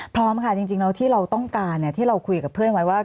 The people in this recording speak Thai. พร้อมค่ะจริงแล้วที่เราต้องการที่เราคุยกับเพื่อนไว้ว่า